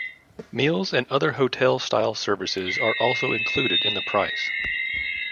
Meals and other hotel-style services are also included in the price.